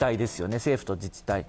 政府と自治体。